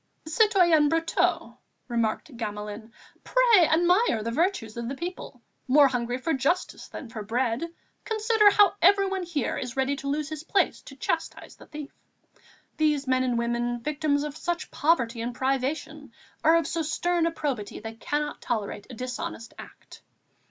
"Citoyen Brotteaux," remarked Gamelin, "pray admire the virtues of the people, more hungry for justice than for bread; consider how everyone here is ready to lose his place to chastise the thief. These men and women, victims of such poverty and privation, are of so stern a probity they cannot tolerate a dishonest act."